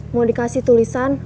mau dikasih tulisan